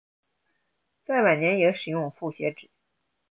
在晚年也使用复写纸。